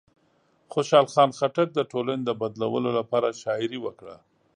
خوشحال خان خټک د ټولنې د بدلولو لپاره شاعري وکړه.